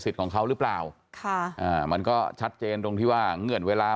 ศิษย์ของเขาหรือเปล่ามันก็ชัดเจนตรงที่ว่าเงื่อนเวลา